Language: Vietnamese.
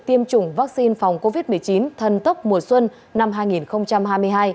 tiêm chủng vaccine phòng covid một mươi chín thần tốc mùa xuân năm hai nghìn hai mươi hai